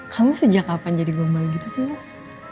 kamu sejak kapan jadi global gitu sih mas